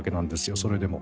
それでも。